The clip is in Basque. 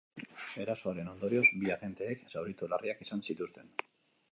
Erasoaren ondorioz bi agenteek zauri larriak izan zituzten.